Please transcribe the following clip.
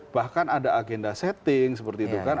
bahkan ada agenda setting seperti itu kan